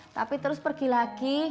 tapi terus pergi lagi